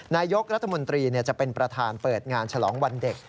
นายกรัฐมนตรีจะเป็นประธานเปิดงานฉลองวันเด็ก